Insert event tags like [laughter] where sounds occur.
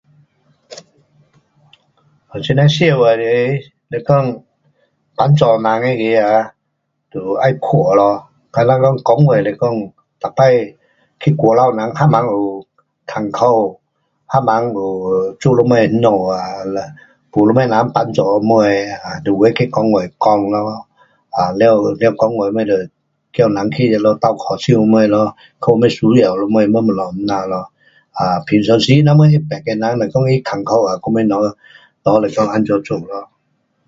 [noise] 有很那需要的是说帮助人的他啊就要看咯，跟那讲公会来说每次去外头人谁人有困苦，谁人有做什么在家啊，[um]有什么人帮助什么，有的去公会讲咯。[um]了了公会就叫人去哪里倒脚手什么咯。看有需要什么，么么那那样咯。平常时如说有什么会懂的人如讲他困苦什么哪，不就说怎么做咯。